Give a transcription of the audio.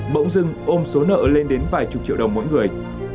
bỗng dưng ôm số nợ lên đến vài chục triệu đồng mỗi người